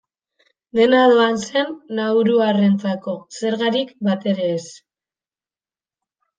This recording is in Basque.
Dena doan zen nauruarrentzako, zergarik batere ez.